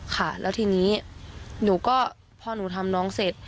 ค่ะแล้วทีนี้หนูก็พอหนูทำน้องเสร็จ